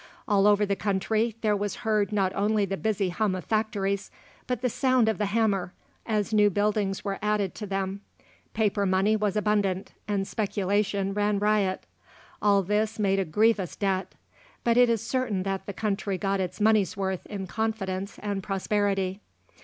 All over the country there was heard not only the busy hum of factories, but the sound of the hammer, as new buildings were added to them. Paper money was abundant, and speculation ran riot. All this made a grievous debt; but it is certain that the country got its money's worth in confidence and prosperity.